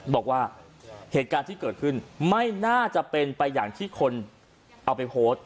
บอกว่าเหตุการณ์ที่เกิดขึ้นไม่น่าจะเป็นไปอย่างที่คนเอาไปโพสต์